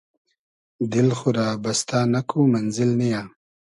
دیل خو رۂ بستۂ نئکو مئنزیل نییۂ